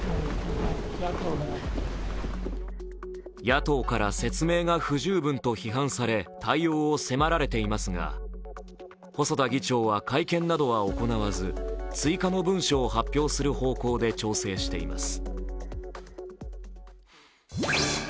野党から、説明が不十分と批判され、対応を迫られていますが、細田議長は会見などは行わず追加の文書を発表する方向で調整しています。